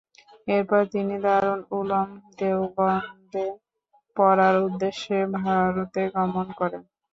এরপর তিনি দারুল উলুম দেওবন্দে পড়ার উদ্দেশ্যে ভারতে গমন করেন।